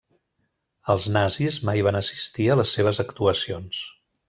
Els Nazis mai van assistir a les seves actuacions.